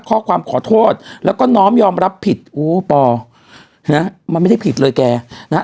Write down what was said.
ข้อความขอโทษแล้วก็น้อมยอมรับผิดโอ้วมาไม่ได้ผิดเลยแกนะฮะ